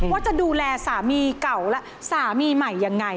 ว่าจะดูแลสามีเก่าและสามีใหม่ยังไง